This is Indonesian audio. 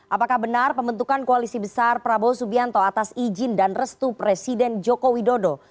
apakah benar pembentukan koalisi besar prabowo subianto atas izin dan restu presiden joko widodo